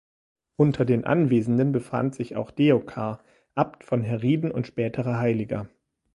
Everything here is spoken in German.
Unter den Anwesenden befand sich auch Deocar, Abt von Herrieden und späterer Heiliger.